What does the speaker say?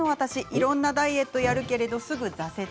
いろんなダイエットをやるけれどすぐ挫折。。